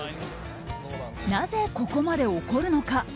なぜ、ここまで怒るのか。